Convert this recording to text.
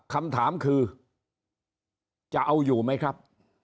คำถามคือจะเอาอยู่ไหมครับ